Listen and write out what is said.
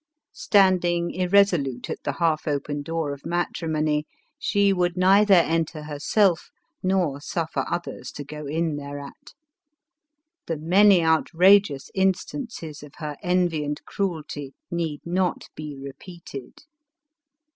Standing irresolute at the half open door of matrimony, she would neither enter herself nor suffer others to go in thereat. The many outrageouS instances of her envy and cruelty need not be repeated.